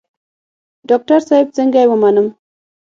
ډاکتر صاحب څنګه يې ومنم.